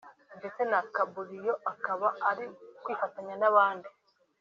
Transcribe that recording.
ndetse na Cub Lion akaba ari bwifatanye n’abandi